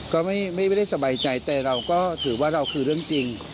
ก็ไม่ได้สบายใจแต่เราก็ถือว่าเราคือเรื่องจริง